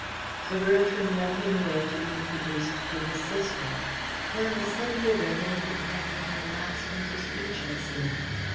Sir Bertram led him away to be introduced to his sister. Claire was suddenly aware that her companion had lapsed into speechlessness.